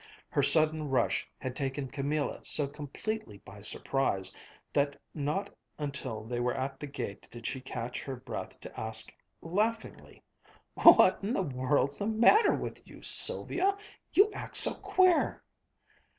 Her sudden rush had taken Camilla so completely by surprise that not until they were at the gate did she catch her breath to ask laughingly: "What in the world's the matter with you, Sylvia? You act so queer!"